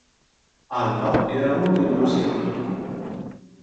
Alva era una dei loro sei figli.